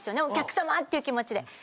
お客さま！っていう気持ちで。